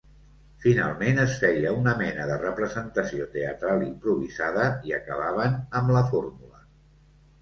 Finalment es feia una mena de representació teatral improvisada i acabaven amb la fórmula.